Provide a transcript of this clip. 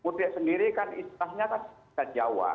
mudik sendiri kan istilahnya kan jawa